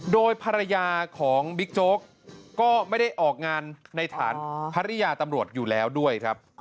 โดยภรรยาของบิ๊กโจ๊กก็ไม่ได้ออกงานในฐานภรรยาตำรวจอยู่แล้วด้วยครับ